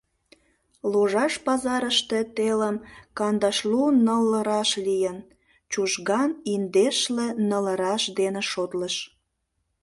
Ложаш пазарыште телым кандашлу ныллыраш лийын, Чужган индешле ныллыраш дене шотлыш.